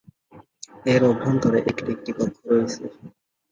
এর অভ্যন্তরে একটি একটি কক্ষ রয়েছে।